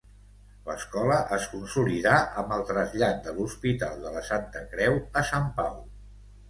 L'escola es consolidà amb el trasllat de l'Hospital de la Santa Creu a Sant Pau.